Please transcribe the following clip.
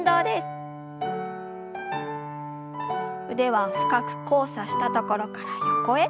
腕は深く交差したところから横へ。